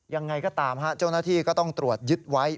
ยังไงก็ตามเจ้าหน้าที่ก็ต้องตรวจยึดไว้